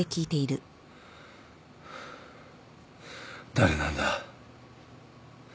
誰なんだ？